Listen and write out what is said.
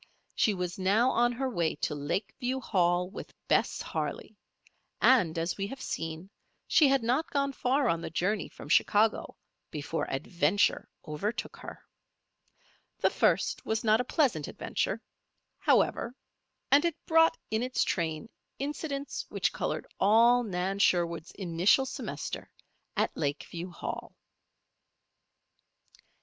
She was now on her way to Lakeview Hall with Bess Harley; and, as we have seen, she had not gone far on the journey from Chicago before Adventure overtook her. This first was not a pleasant adventure, however; and it brought in its train incidents which colored all Nan Sherwood's initial semester at Lakeview Hall.